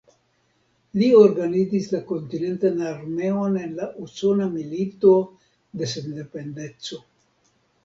Li reorganizis la kontinentan armeon en la Usona Milito de Sendependeco.